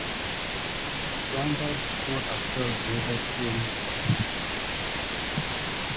Uganda does not observe daylight saving time.